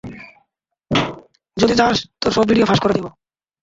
যদি যাস, তোর সব ভিডিও ফাঁস করে দিব।